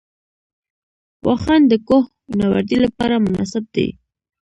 واخان د کوه نوردۍ لپاره مناسب دی